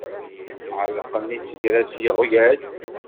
Ɛellqen isegras yeɣyal.